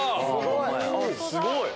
すごい！